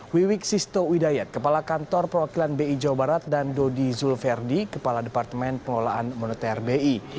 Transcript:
wiwik sisto widayat kepala kantor perwakilan bi jawa barat dan dodi zulverdi kepala departemen pengelolaan moneter bi